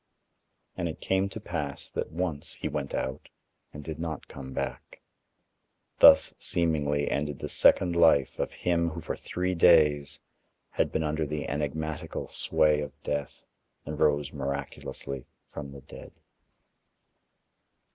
And it came to pass that once he went out and did not come back. Thus seemingly ended the second life of him who for three days had been under the enigmatical sway of death, and rose miraculously from the dead.